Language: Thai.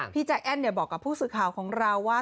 ใจแอ้นบอกกับผู้สื่อข่าวของเราว่า